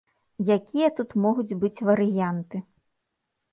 Якія тут могуць быць варыянты.